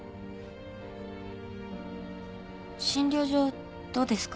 診療所どうですか？